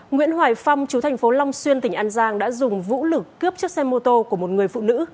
nguyễn hoài phong chú thành phố long xuyên tỉnh an giang đã dùng vũ lực cướp chiếc xe mô tô của một người phụ nữ